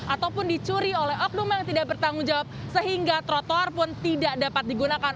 ataupun dicuri oleh oknum yang tidak bertanggung jawab sehingga trotoar pun tidak dapat digunakan